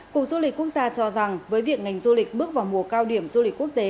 cục du lịch quốc gia cho rằng với việc ngành du lịch bước vào mùa cao điểm du lịch quốc tế